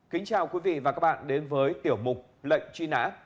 kính chào quý vị và các bạn đến với tiểu mục lệnh truy nã